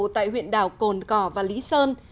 tại huyện đảo cồn cỏ và lý sơn